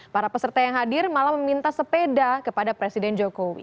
para peserta yang hadir malah meminta sepeda kepada presiden jokowi